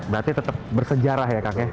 berarti tetap bersejarah ya kakek